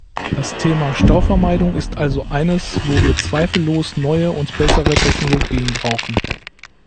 Das Thema Stauvermeidung ist also eines, wo wir zweifellos neue und bessere Technologien brauchen.